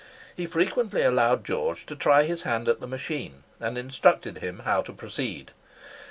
He frequently allowed George to try his hand at the machine, and instructed him how to proceed.